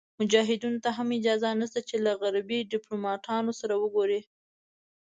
مجاهدینو ته هم اجازه نشته چې له غربي دیپلوماتانو سره وګوري.